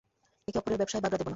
একে অপরের ব্যবসায় বাগড়া দেব না।